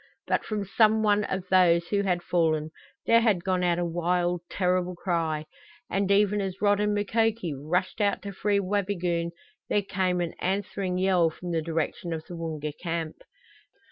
But from some one of those who had fallen there had gone out a wild, terrible cry, and even as Rod and Makoki rushed out to free Wabigoon there came an answering yell from the direction of the Woonga camp.